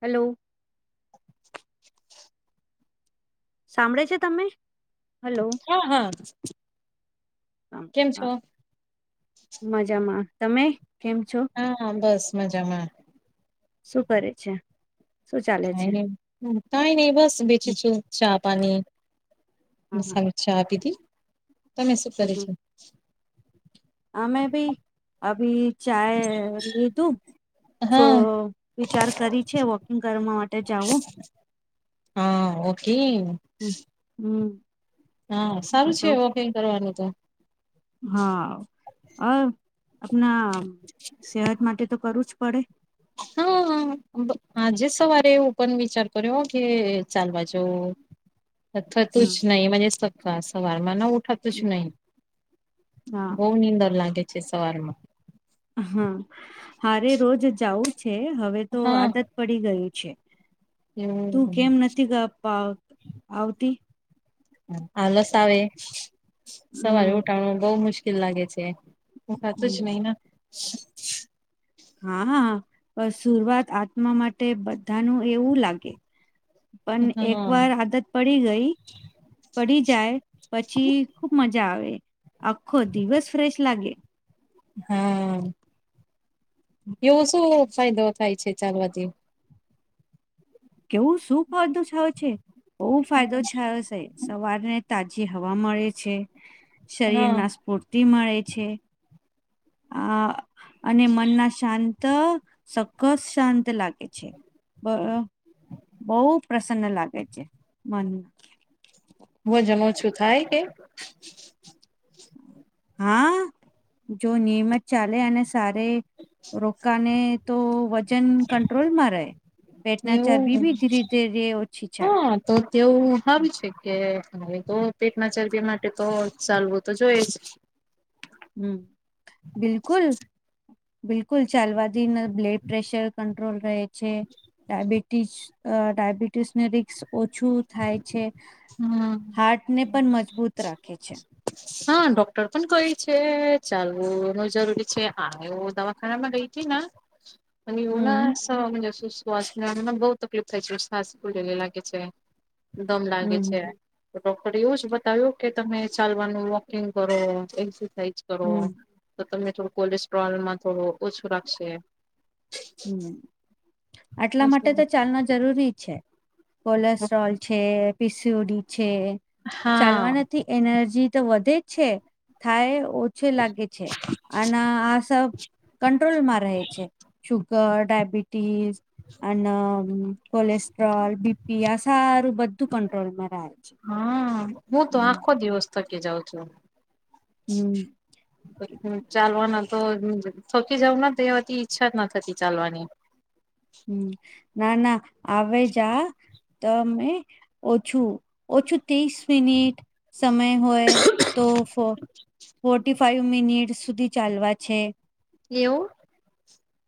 Hello. સાંભળે છે તમે? હલો હા હા કેમ છો હા. મજામાં, તમે કેમ છો? હા બસ મજામાં. શું કરે છે, શું ચાલે છે? કઈ નહી બસ હમ, બેઠી છું, ચા પાણી હા હા મસામે ચા પીધી. તમે શું કર્યું છો? હ મેં ભાઈ અભી ચાય લીધું. તો હા વિચાર કરી છે, વોકિંગ કરવા માટે જાવું. હા ઓકે. હમ હમ. હા સારું છે વોકિંગ કરવાનું તો. હા અ આપણા સેહત માટે તો કરવુંજ પડે હા હ આજે સવારે એવું પણ વિચાર કર્યો કે ચાલવા જવ હ. અથવા તું જ નહી સત્વા સવારમાંન ઉઠત. તો શું નહી હા ભોહ નિનીંદ લાગે છે સવારમાં. હા હારે રોજ જવું છે હવે તો હા આદત પડી ગયુ છે. તું એવું કેમ નથી આવતી. આલસ આવે સવારે હમ ઉઠાવણ બઉવ મુશ્કેલ લાગે છે. [unintelligible] હા બસ સુર્વઆત આત્મા માટે બધાનું એવું લાગે પણ એક હા વાર આદત પડી ગઈ પડી જાય પછી ખુબ મજા આવે આખો દિવસ ફ્રેશ લાગે. હા. એવો શું ફાયદો થાય છે ચાલવાથી. કેવું શું ફાયદો થાય છે બહુ ફાયદો થાય છે. સવારે ને તાજી હવા મળે છે શરીર હા ના સ્ફૂર્તિ મળે છે. અ અને મનના શાંત સકસ શાંત લાગે. બ બહુ પ્રસન્ન લાગે છે મનમાં. હું જમું છું થાય કે હા જો નિયમત ચાલે અને સારે રોકાને તો વજન કંટ્રોલમાં રહે પેટના એવું ચરબીબી ધીરે ધીરે ઓછી થાય. હા તો તેવું હ છે કે હાવે તો પેટમાં ચરબિયા માટે તો ચાલવું તો જોઈજ હમ બિલકુલ બિલકુલ ચાલવાથી ના બ્લડ પ્રેશર ક ડબિ ડાયાબિટીસને રિકસ ઓછું થાય છે હમ હાર્ટને પણ મજબૂત રાખે છે. હા ડોક્ટર પણ કઈ છે ચાલવુંન જરૂરી છે આ એ દવા ઘરામાં ગઈ હતી ને. અને એવું હમ ના શ્વાસ લ બહુ તકલીફ થાય છે હસ ઉલલે લાગે છે. દમ લાગે છે. હમ તો ડોક્ટર એવુંજ બતાવ્યું કે તમે ચાલવાનું વોકિંગ કરો એક્સરસાઇઝ કરો હમ તો તમને થોડું કોલેસ્ટ્રોલમાં થોડું ઓછું રાખશે. હમ આટલા માટેતો ચાલના જરૂરી છે. કોલેસ્ટ્રોલ છે પીસીુડી છે ચાલવા હા નથી. એનર્જી તો વધેજ છે થાય ઓછે લાગે છે અને આ સબ કંટ્રોલમાં રહે છે. ડાયબિટીસ અને કોલેસ્ટ્રોલ બી પ આ સારું બધું કંટ્રોલમાં રહે છે. હા હું તો આખો હમ દિવસ થકી જાઉં છું. હમ. ચાલવાના તો થોકી જઉં તેવાતી ઈચ્છા ના થતી ચાલવાની. હમ ના ના આવેવે જાા તો અમે ઓછું ઓછું ત્રીસ મિનિટ સમય હોય તો ફર્ટી ફાઈવ મિનિટસ સુધી ચાલવા છે એવું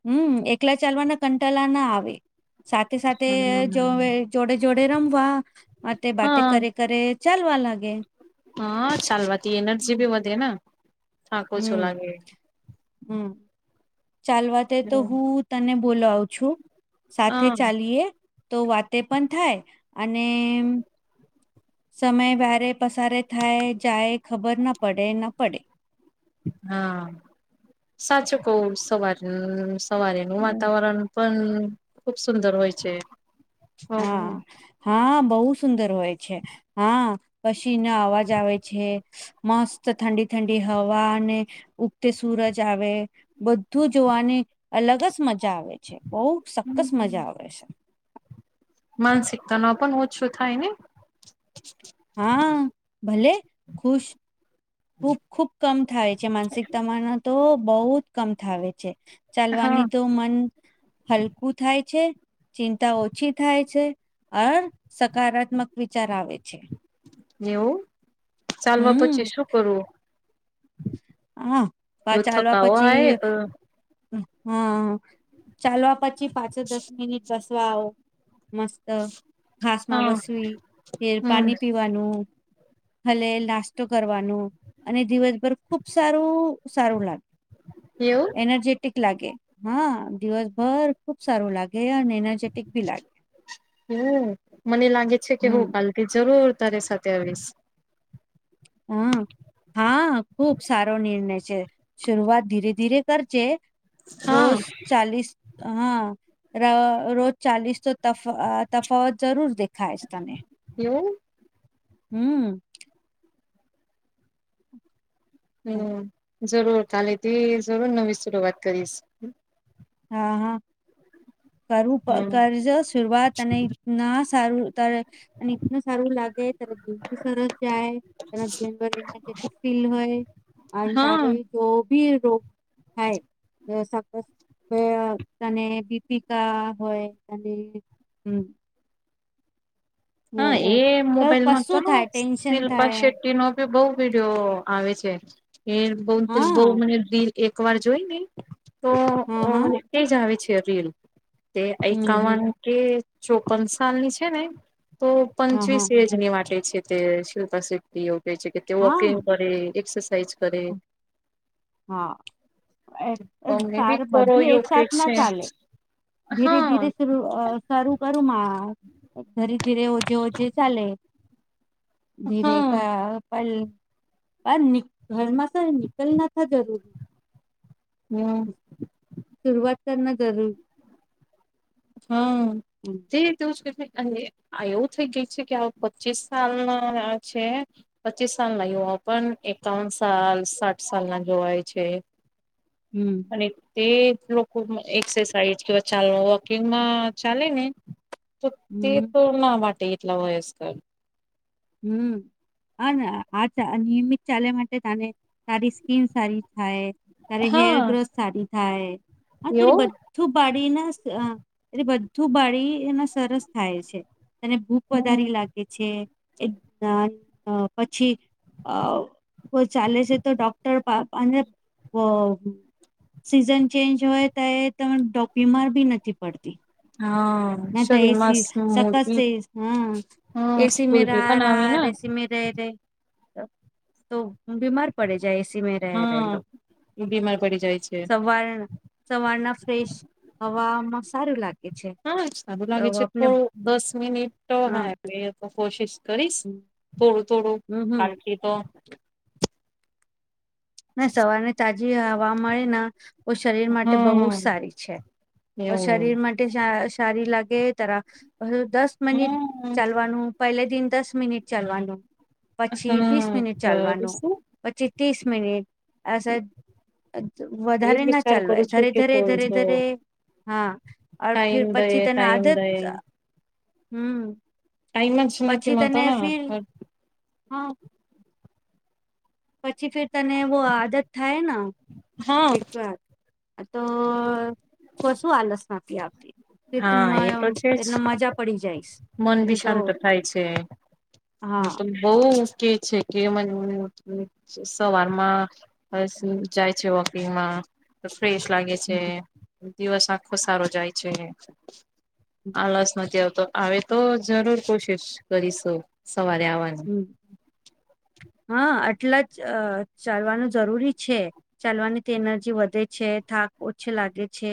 હમ એકલા ચાલવાના કંટાલા ના આવે સાથે સાથે જો હમ જોડે જોડે રમવા માટે બાતે હા કરે કરે ચાલ વાલાગે હા ચાલવાતી એનરજીીબી મ હમ હમ ચાલવાત તો હું તને બોલાવું છું સાથે હા ચાલીય તો વાતે પણ થાય અને સમય વાારે પસારે થાય જાય ખબર ના પડે ના પડે હા સાચું કવ સવાર સવારેનું વાતાવરણ પણ ખુબ સુંદર હોય છે હા હા બહુ સુંદર હોય છે હા પછી ના અવાજ આવે છે મસ્ત ઠંડી ઠંડી હવા અને ઉગતે સુૂરજ આવે બધું જોવાની અલગ જ મજા આવે છે બહુ સક્કસ મજા આવે છે માનસિકતા ન પણ ઓછું થાય ને હા ભલે ખુશ ખૂબ ખુબ કમ થાય છે માનસિક તમાના તો બહુ જ કમ થાવ છે હા ચાલવાની તો મન હલકું થાય છે ચિંતા ઓછી થાય છે અ સકારાત્મક વિચાર આવે છે એવું ચાલવા હમ પછી શું કરવું હા એવું ચાલવા થકાવો આવે પછી તો હા ચાલવા પછી પાચ દસ મિનિટ બસવા આવો મસ્ત ઘાસ માં હા વસવી ફેર હમ પાણી પી ભલે નાસ્તો કરવાનું અને દિવસભર ખુબ સારું સારું લાગે એવું એનજે લાગે હા દિવસભર ખુબ સારું લાગે અને એનર્જેટિક ભી લાગે હ મને લાગે છે કે હમ હું કાલથી જરૂર તારે સાથે આવીશ હમ હા ખુબ સારો નિર્ણય છે શરૂઆત ધીરે ધીરે કરજે હા રોજ ચાલીસ હા અ રોજ ચાલીસ તો ત તફાવત જરૂર દેખાતને એવું હમ હમ જરૂર તાલેથી જરૂર નવી શરૂઆત કરીશ હા હા કરવું હમ કરજો શરૂઆત અને ના સારું ત્યારે અને એટલ સારું લાગે ત્યારે જે સરસ જાય જ એેટિક ફીલ હોય હા તારે જો ભી રોગ હૈ તને દીપિકા હોય તને હ હા ઓ એ તો મોબાઈલ મા તો કશું થાય ટેન્શન શિલ્પા થાય શેટ્ટી નો બી બઉ વિડીયો આવે છે એ બ હા બહ મને દી એક વાર જોઈ ને તો હા હા તે જ આવે છે રીલ તે હમ હમ એકાવન કે ચોપન સાલની છે ને તો હા હા પંચવીસ એ ની માટે છે તે શિલ્પા શતિ છે તે વોકિંગ હા કરે એક્સરસાઇઝ કરે હા તમે બી સારું કરો બધું યોગ કે એકસાથ ના છે ચાલે ધીરે હા ધીરે શરૂ અ સારું કરું ધરે ધીરે ઓજે ઓજે ચાલે. ધીરે હા કા પ ઘરમાં સર નિકલના. હ જરૂ. હમ. સુરઆત કરના જરૂર. હા હમ તે. આ એવું થઇ ગયું છે કે પચીસ સાલ ના છે. પચીસ સાલ ના યુવા પણ એકાવન સાલ સાઠ સાલ ના જોવાય છે. હમ. અને તે લોકો એક્સરસાઇઝ કે ચાલ વોકિંગમાં ચાલે ને. તો તે હમ તો ના માટે એટલા વયસ્ક. હમ. હા આ નિયમિત ચાલે માટે તને તારી સ્કીિન સારી થાય. ત્યારે હેર હા ગ્રથ સારી થાય એવું અત્યારે. ું બાડીને એટલે બધું બાડી એના સરસ થાય છે. તને ભૂખ હમ વધારી લાગે છે એક પછી. અ કો ચાલે છે તો ડોક્ટર અને. સિઝન ચેન્જ હોય તો એ ત ડોપ્યીમાર બી નથી પડતી. હા. ના તો શરીરમાં એસી શખત સ્મૂર્તિ હા. હા એસી મે રહ સ્ફૂર્તિ પણ આવે ર ને એસી મે રહે રહે. તો બીમાાર પડે જાય એસી મે. ર હા રહેલો બીમાર પડી જાય છે સવારણ. સવારના ફ્રેશ હવામાં સારું લાગે છે. હા સારું તો લાગે છે આપને અ થોડું દસ મિનિટ હા હમ એટલે તો કોશિશ કરીશ. થોડું થોડું હમ કારણખ તો. ને સવાર ને તાજી હવા મળે ને તો શરીર માટે બહુ હા જ સારી છે. એવું શરીર માટે સારી લાગે તરા દસ મિનિટ હમ ચાલવાનું. પહેલે દિન દસ મિનિટ ચાલવાનું હા પછી બીસ મિનિટ કરું ચાલવાનું. શું પછી ત્રીસ મિનિટ. આ સાહેબ એજ વધારે ના વિચાર કરું ચાલવાય છું ઘરે કે ધરે થોડું ધરે તો ધરે. હા ફિર ટાઈમ પછી દઈએ તેને આદત ટાઈમ દઈએ હમ. ટાઈમ છે નથીખ પછી મ ત તને ના. ફિર હા. પછી ફર તને એવો આદત થાય ને હા એક વાર. તો કશું આલસમાંપી આવતી. હા એ તો છે જ તેને મજા પડી જઈશ. મન એ બી તો શાંત થાય છે હ હા ત. બહ મુકે છે કે મને સવારમાં. બસ જાય છે વોકિંગમાં. ફ્રેશ લાગે છે હમ દિવસ આખો સારો જાય છે. આ લસ નથી આવતો હ તો જરૂર કોશિશ કરીશું સવારે આવવાની. હા આટલા જ ચાલવાનું જરૂરી છે. ચાલવાની તે એનર્જી વધે છે થાક ઓછી લાગે છે.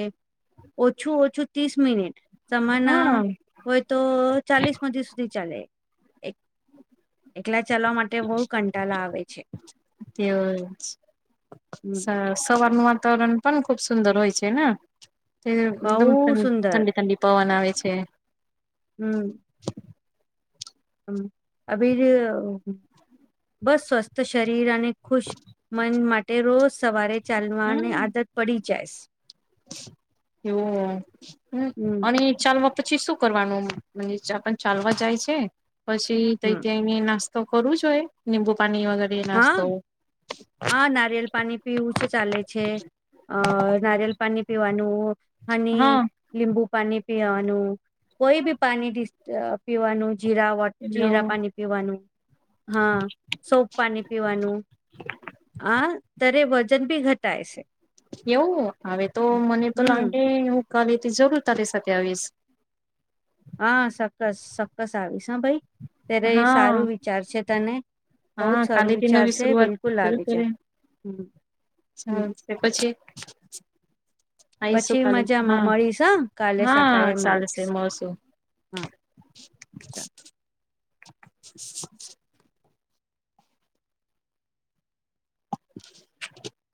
ઓછું ઓછું ત્રીસ મિનિટ. સમાના હા હોય તો ચાલીસ મધ સુધી ચાલે. એટલા ચલવા માટે બહુ કંટાળા આવે છે. તેવ. હમ સ સવાર્ણ વાતાવરણ. પણ ખુબ સુંદર હોય છે ને તે એકદમ બહુ સુંદર ઠંડી ઠંડી પવન આવે છે. હમ અભ બસ સ્વસ્થ શરીર અને અને ખુશ મન માટે રોજ સવારે ચાલવાની આદત પડી જાય એવ હમ અને ચાલવા પછી શું કરવાનું મ પણ ચાલવા જાય છે પછી ત હમ તંને નાસ્ તો કરવું જો હોઈ લીંબુ પાણી વગેર હા હા નાારિયલ પાણી પીવું જ ચાલે છે અ નારિયલ પાણી પીવાનું હની હા લીંબુ પાણી પીવાવાનું કોઈ બી પાણી પીવાનું જીરા વ એવું જીરા પાણી પીવાનું હા સોપ પાણી પીવાનું આ ત્યારે વજન બી ઘટાય છે એવું હવે તો મને તો હમ લાગે હું કાલે થી જરૂર તારી સાથે આવીશ હા સક્કસ સક્કસ આવીશ હ ભાઈ ત્યારે હા સારું વિચાર છે તને બહુ જ હા સારું કાલેથી વિચાર નવી છે શરૂઆત બિલકુલ કર આવી છે કરે હમ હમ. ચાલ એ પછી આયસુ પછી કાલ મજામાં હા મળીશ હા કાલે સકાળે હા ચાલે છે મળીશ મળસું હા ચાલ [inaudible] [unintelligible] [inaudible] [unintelligible]